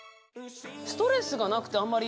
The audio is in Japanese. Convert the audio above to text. ストレスがなくてあんまり。